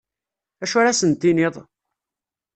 Acu ara asen-tinniḍ?